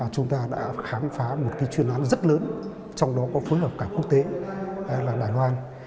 chúng ta đã khám phá một chuyên án rất lớn trong đó có phối hợp cả quốc tế là đài loan